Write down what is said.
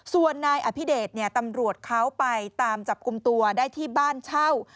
ส่วนนายอภิเดชเนี่ยตำรวจเขาไปตามจับกลุ่มตัวได้ที่บ้านเช่า